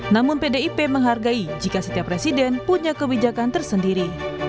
namun pdip menghargai jika setiap presiden punya kebijakan tersendiri